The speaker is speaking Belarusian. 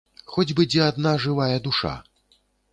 Хоць бы дзе адна жывая душа!